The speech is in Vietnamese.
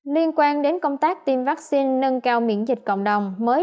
liên quan đến công tác tiêm vaccine nâng cao miễn phí